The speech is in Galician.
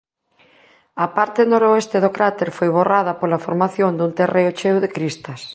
A parte noroeste do cráter foi borrada pola formación dun terreo cheo de cristas.